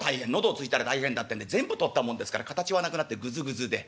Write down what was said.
喉を突いたら大変だってんで全部取ったもんですから形はなくなってぐずぐずで。